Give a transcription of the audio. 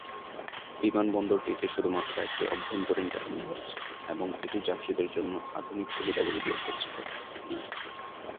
বিমানবন্দরটিতে শুধুমাত্র একটি অভ্যন্তরীণ টার্মিনাল আছে এবং এটি যাত্রীদের জন্য আধুনিক সুবিধাগুলি দিয়ে সজ্জিত।